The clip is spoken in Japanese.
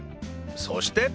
そして